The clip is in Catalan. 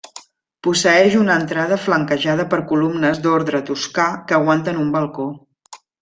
Posseeix una entrada flanquejada per columnes d'ordre toscà que aguanten un balcó.